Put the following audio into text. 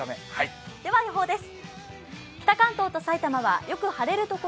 では予報です。